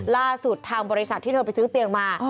ล่าสุดทางบริษัทที่เธอไปซื้อเตียงมา